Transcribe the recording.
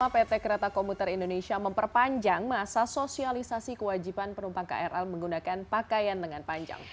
pt kereta komuter indonesia memperpanjang masa sosialisasi kewajiban penumpang krl menggunakan pakaian lengan panjang